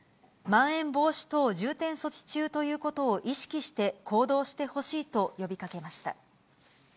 まん延防止等重点措置中ということを意識して行動してほしいと呼びかけました。